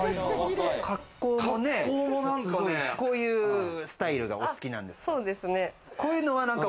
格好もね、こういうスタイルがお好きなんですか？